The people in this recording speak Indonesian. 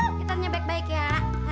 kita nyebek baik ya